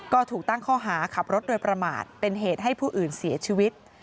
ก็ถูกตั้งข้อหาขับรถโดยประมาทเป็นเหตุให้ผู้อื่นเสียชีวิต